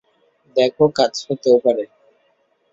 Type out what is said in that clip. দেখো, কাজ হতেও পারে।